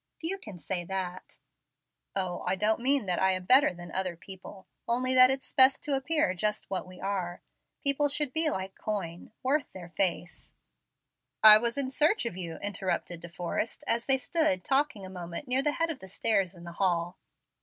"Few can say that." "O, I don't mean that I am better than other people, only that it's best to appear just what we are. People should be like coin, worth their face " "I was in search of you," interrupted De Forrest, as they stood talking a moment near the head of the stairs in the hall.